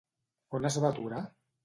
On es va aturar?